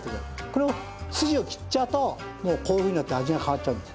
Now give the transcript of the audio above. これを筋を切っちゃうともうこういうふうになって味が変わっちゃうんですよ。